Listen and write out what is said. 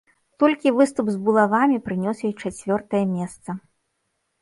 Толькі выступ з булавамі прынёс ёй чацвёртае месца.